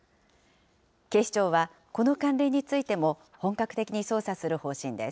警視庁は、この関連についても本格的に捜査する方針です。